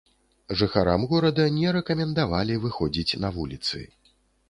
Жыхарам горада не рэкамендавалі выходзіць на вуліцы.